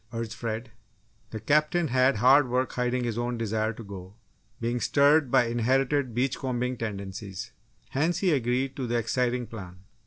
urged Fred. The Captain had hard work hiding his own desire to go, being stirred by inherited beach combing tendencies. Hence, he agreed to the exciting plan.